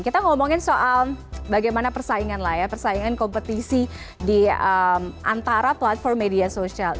kita ngomongin soal bagaimana persaingan lah ya persaingan kompetisi di antara platform media sosial